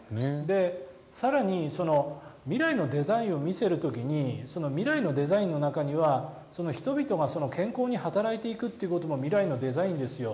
更に未来のデザインを見せる時に未来のデザインの中には人々が健康に働いていくということも未来のデザインですよ。